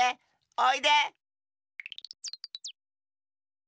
おいで！